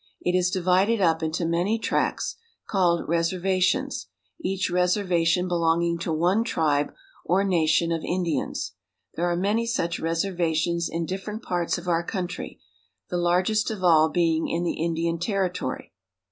It is divided up into many tracts, called reservations, each reservation belonging to one tribe, or nation, of Indians. There are many such reservations in different parts of our country, the largest of all being in the Indian Territory.